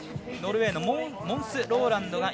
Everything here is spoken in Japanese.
ノルウェーのモンス・ローランド。